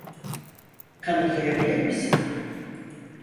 Kanıtlayabilir misin?